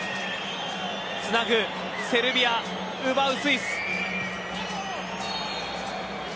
つなぐセルビア、奪うスイス。